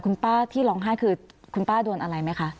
คุณป้าที่ร้องไห้คือคุณป้าโดนอะไรไหมคะ